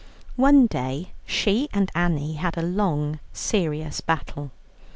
One day she and Annie had a long serious battle.